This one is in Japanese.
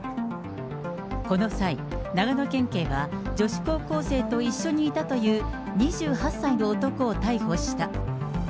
この際、長野県警は、女子高校生と一緒にいたという２８歳の男を逮捕した。